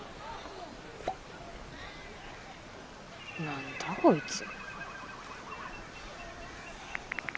何だこいつ。